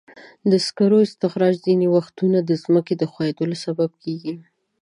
د سکرو استخراج ځینې وختونه د ځمکې ښویېدلو سبب کېږي.